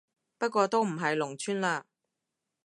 不過都唔係農村嘞